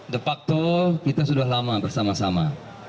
de facto kita sudah lama bersama sama